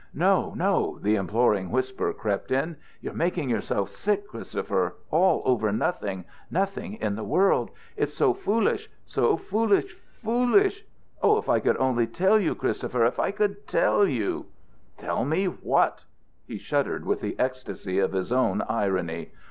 "No, no," the imploring whisper crept in. "You're making yourself sick Christopher all over nothing nothing in the world. It's so foolish so foolish foolish! Oh, if I could only tell you, Christopher if I could tell you " "Tell me what?" He shuddered with the ecstasy of his own irony.